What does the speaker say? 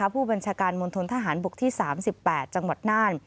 ผู้บัญชาการมณฑนทหารบกที่๓๘จังหวัดน่าน